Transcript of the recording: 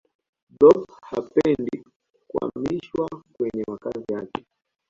blob hapendi kuamishwa kwenye makazi yake